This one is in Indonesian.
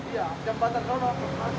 iya jembatan selalu